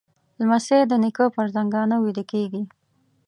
لمسی د نیکه پر زنګانه ویده کېږي.